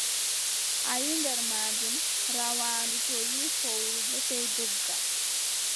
A yiʼi nder maajum, rawaandu too yiʼi fowru boo, sey dogga.